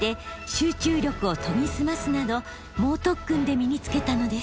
集中力を研ぎ澄ますなど猛特訓で身につけたのです。